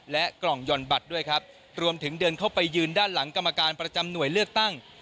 และกล่องหย่อนบัตรด้วยครับรวมถึงเดินเข้าไปยืนด้านหลังกรรมการประจำหน่วยเลือกตั้ง